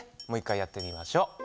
もう１かいやってみましょう。